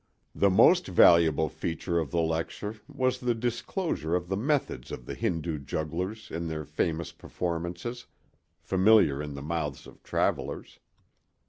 The most valuable feature of the lecture was the disclosure of the methods of the Hindu jugglers in their famous performances, familiar in the mouths of travelers.